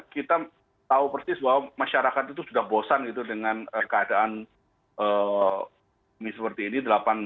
kita tahu persis bahwa masyarakat itu sudah bosan gitu dengan keadaan seperti ini